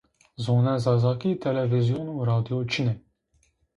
Zonê Zazaki televizyon u radyoy çinê.